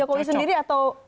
pak jokowi sendiri atau